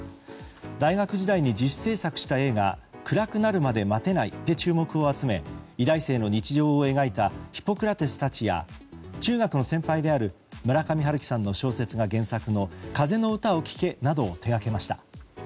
大学時代に自主制作した映画「暗くなるまで待てない！」で注目を集め医大生の日常を描いた「ヒポクラテスたち」や中学の先輩である村上春樹さんの小説が原作の「風の歌を聴け」などを手がけました。